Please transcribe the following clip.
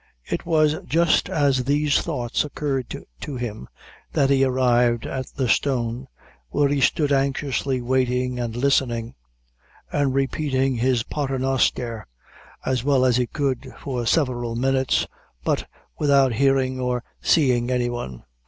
It was just as these thoughts occurred to him that he arrived at the Stone, where he stood anxiously waiting and listening, and repeating his pater noster, as well as he could, for several minutes, but without hearing or seeing any one.